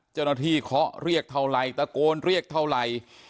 เจ้าหน้าที่เค้าเรียกเท่าไหร่ตะโกนเรียกเท่าไหร่